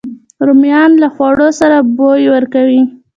رومیان له خوړو سره بوی ورکوي